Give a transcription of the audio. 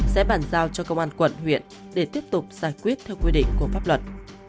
sẽ bàn giao cho công an quận huyện để tiếp tục giải quyết theo quy định của pháp luật